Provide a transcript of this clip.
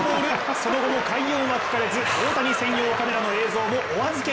その後も快音は聞かれず大谷専用カメラの映像もお預け。